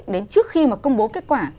đến trước khi mà công bố kết quả